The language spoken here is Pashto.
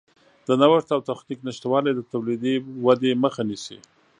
د نوښت او تخنیک نشتوالی د تولیدي ودې مخه نیسي.